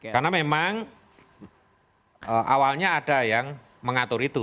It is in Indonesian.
karena memang awalnya ada yang mengatur itu